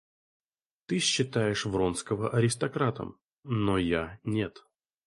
Ты считаешь Вронского аристократом, но я нет.